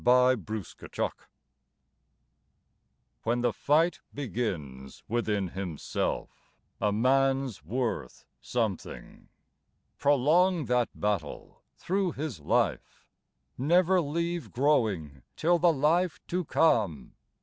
TLbc Sours Orowtb, "When the fight begins within himself, A man's worth something ... Prolong that battle through his life ! Never leave growing till the life to come